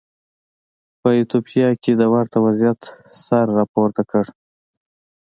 په ایتوپیا کې د ورته وضعیت سر راپورته کړ.